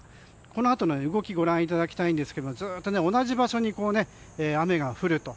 このあとの動きご覧いただきたいんですがずっと同じ場所に雨が降ると。